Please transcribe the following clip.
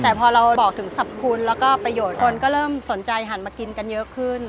แต่พอเราบอกถึงสรรพคุณแล้วก็ประโยชน์คนก็เริ่มสนใจหันมากินกันเยอะขึ้น